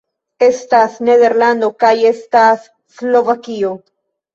Estas Nederlando kaj estas Slovakio